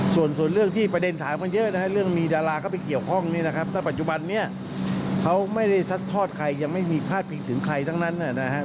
ส่วนเรื่องที่ประเด็นถามกันเยอะนะครับเรื่องมีดาราเข้าไปเกี่ยวข้องนี่นะครับถ้าปัจจุบันนี้เขาไม่ได้ซัดทอดใครยังไม่มีพลาดพิงถึงใครทั้งนั้นนะครับ